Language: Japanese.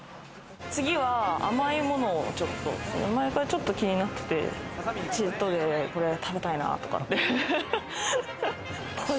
次は甘いものをちょっと前からちょっと気になって、チートデイ、これ食べたいなとかって。